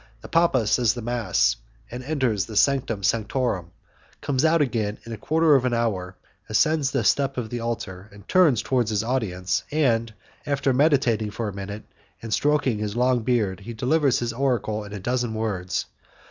The papa says the mass, enters the sanctum sanctorum, comes out again in a quarter of an hour, ascends the steps of the altar, turns towards his audience, and, after meditating for a minute and stroking his long beard, he delivers his oracle in a dozen words.